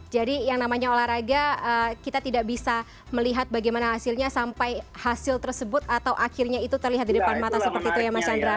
yang namanya olahraga kita tidak bisa melihat bagaimana hasilnya sampai hasil tersebut atau akhirnya itu terlihat di depan mata seperti itu ya mas chandra